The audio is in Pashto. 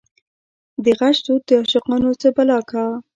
دغچ دود دعاشقانو څه بلا کا